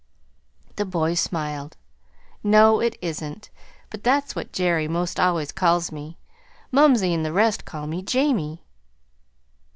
'" The boy smiled. "No, it isn't; but that's what Jerry 'most always calls me. Mumsey and the rest call me 'Jamie.'"